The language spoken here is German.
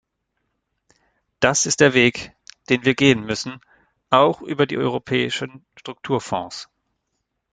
Das ist der Weg, den wir gehen müssen, auch über die europäischen Strukturfonds.